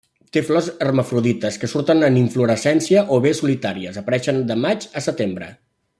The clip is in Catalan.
Té flors hermafrodites, que surten en inflorescències o bé solitàries, apareixen de maig a setembre.